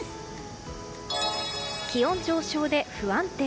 気温上昇で不安定。